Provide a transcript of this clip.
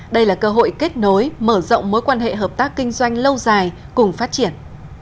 đây là cơ hội kết nối mở rộng mối quan hệ hợp tác kinh doanh lâu dài cùng phát triển